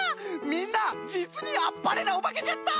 みんなじつにあっぱれなおばけじゃった！